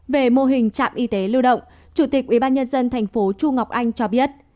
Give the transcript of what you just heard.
về mô hình trạm y tế lưu động chủ tịch ubnd tp chu ngọc anh cho biết